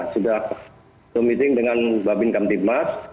sudah zoom meeting dengan babin kamtipmas